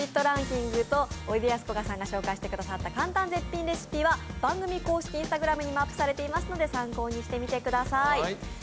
ランキングとおいでやすこがさんが紹介してくださった簡単絶品レシピは番組公式Ｉｎｓｔａｇｒａｍにもアップされていますので参考にしてみてください。